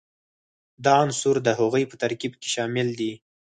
دا عنصر د هغوي په ترکیب کې شامل دي.